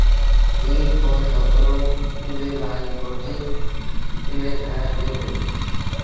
ائيٚݩ پو ڇوڪرو پنڊريٚ مآئيٚ ڪوٺي پنڊري گھر هليو وهُڙو